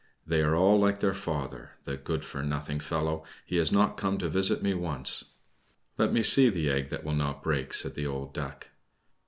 They are all like their father the good for nothing fellow, he has not been to visit me once!" "Let me see the egg that will not break," said the old Duck.